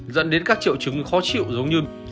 dẫn đến các triệu chứng khó chịu giống như